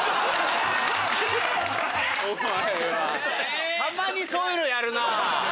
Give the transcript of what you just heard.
お前はたまにそういうのやるな。